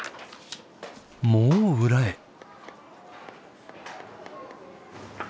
もう裏へ。